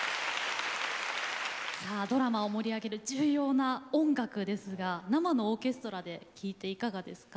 さあドラマを盛り上げる重要な音楽ですが生のオーケストラで聴いていかがですか？